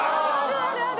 あるある。